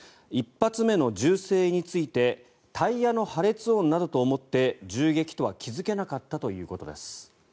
１発目の銃声についてタイヤの破裂音などと思って銃撃とは気付けなかったということです。